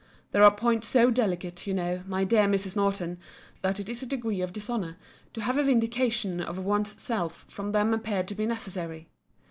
There are points so delicate, you know, my dear Mrs. Norton, that it is a degree of dishonour to have a vindication of one's self from them appear to be necessary.